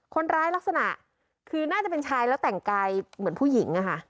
ลักษณะคือน่าจะเป็นชายแล้วแต่งกายเหมือนผู้หญิงอะค่ะ